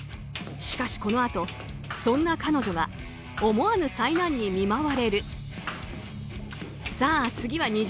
しかしこのあと、そんな彼女が思わぬ災難に見舞われる。